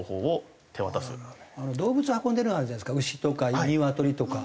動物運んでるのあるじゃないですか牛とか鶏とか。